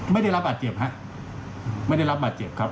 ไม่ได้รับบาดเจ็บฮะไม่ได้รับบาดเจ็บครับ